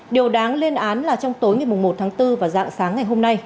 điều đáng lên án là trong tối ngày một tháng bốn và dạng sáng ngày hôm nay